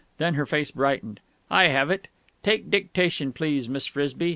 Then her face brightened. "I have it. Take dictation, please, Miss Frisby.